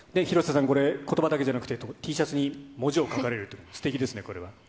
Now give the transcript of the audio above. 広瀬さん、これ、ことばだけじゃなくて、Ｔシャツに文字を書かれるってすてきですね、これは。